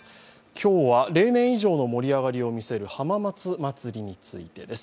今日は、例年以上の盛り上がりを見せる浜松まつりについてです。